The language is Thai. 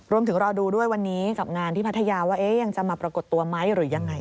รอดูด้วยวันนี้กับงานที่พัทยาว่ายังจะมาปรากฏตัวไหมหรือยังไง